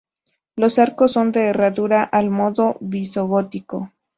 Los arcos son de herradura al modo visigótico.